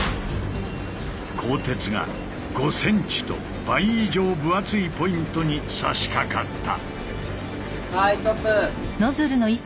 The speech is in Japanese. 鋼鉄が５ｃｍと倍以上分厚いポイントにさしかかった。